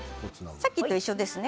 さっきと一緒ですね。